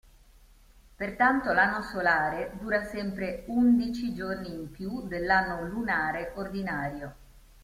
Pertanto l'anno solare dura sempre undici giorni in più dell'anno lunare ordinario.